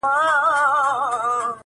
د وخت ناخوالي كاږم-